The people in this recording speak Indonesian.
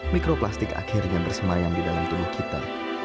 mikroplastik akhirnya bersemayam di dalam tubuh kita